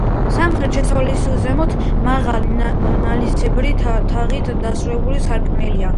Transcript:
სამხრეთ შესასვლელის ზემოთ მაღალი, ნალისებრი თაღით დასრულებული სარკმელია.